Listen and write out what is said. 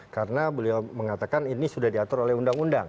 karena beliau mengatakan ini sudah diatur oleh undang undang